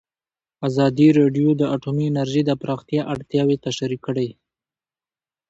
ازادي راډیو د اټومي انرژي د پراختیا اړتیاوې تشریح کړي.